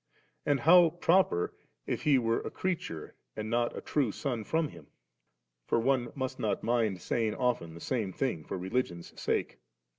and how proper, if He were a creature, and not a true Son from Him ? (For one must not mind saying often the same thing for religion's sake.)